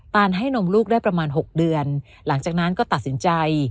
ให้นมลูกได้ประมาณ๖เดือนหลังจากนั้นก็ตัดสินใจ